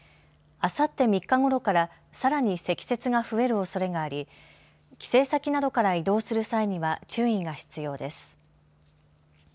あさって３日ごろからさらに積雪が増えるおそれがあり帰省先などから移動する際には注意が必要です。